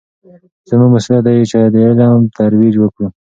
زموږ مسوولیت دی چې د علم ترویج وکړو.